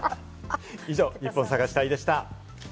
以上、ニッポン探し隊でした。